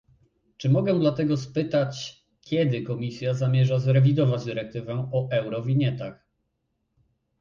Czy mogę dlatego spytać kiedy Komisja zamierza zrewidować dyrektywę o eurowinietach?